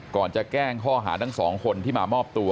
ก่อนจะแจ้งข้อหาทั้งสองคนที่มามอบตัว